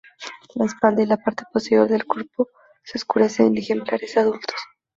La espalda y la parte posterior del cuerpo se oscurece en ejemplares adultos.